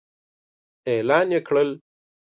اعلان يې کړل.